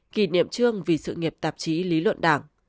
kỷ niệm trương vì sự nghiệp tạp chí lý luận đảng